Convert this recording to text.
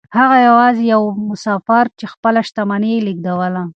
هغه يوازې يو مسافر و چې خپله شتمني يې لېږدوله.